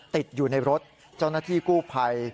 ติดอยู่ในรถเจ้าหน้าที่กู้ภัย